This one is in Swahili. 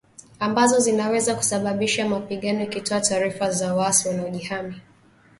ambazo zinaweza kusababisha mapigano ikitoa taarifa za waasi wanaojihami